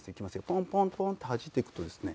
ポンポンポンとはじいていくとですね